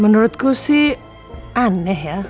menurutku sih aneh ya